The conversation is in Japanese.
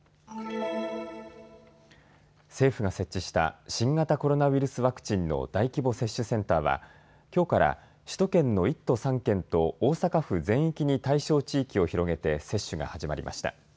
政府が設置した新型コロナウイルスワクチンの大規模接種センターはきょうから首都圏の１都３県と大阪府全域に対象地域を広げて接種が始まりました。